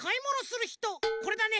これだね。